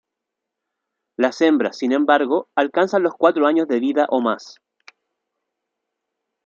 Las hembras, sin embargo, alcanzan los cuatro años de vida o más.